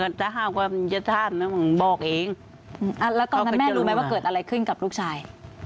แล้วตอนนั้นแม่รู้ไหมว่าเกิดอะไรขึ้นกับลูกชาย